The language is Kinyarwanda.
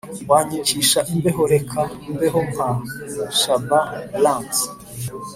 winyicisha imbeho reka mbeho nka shabba ranks